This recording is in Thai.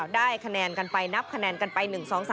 ได้คะแนนกันไปนับคะแนนกันไป๑๒๓